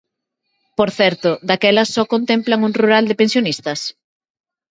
Por certo, ¿daquela só contemplan un rural de pensionistas?